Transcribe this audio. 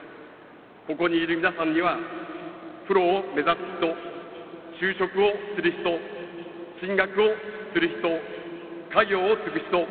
ここにいる皆さんにはプロを目指す人就職をする人、進学をする人家業を継ぐ人。